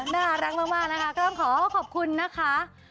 น่ารักมากนะคะก็ต้องขอขอบคุณนะคะ